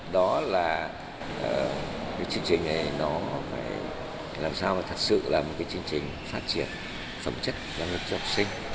đó là cái chương trình này nó phải làm sao để thật sự là một cái chương trình phát triển phẩm chất cho học sinh